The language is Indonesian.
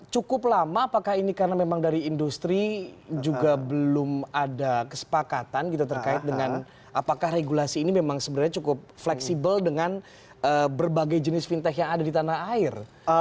cukup lama apakah ini karena memang dari industri juga belum ada kesepakatan gitu terkait dengan apakah regulasi ini memang sebenarnya cukup fleksibel dengan berbagai jenis fintech yang ada di tanah air